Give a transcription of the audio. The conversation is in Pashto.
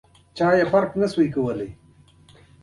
په کمه اندازه بې غورۍ سره د ناروغ د مړینې لامل کیږي.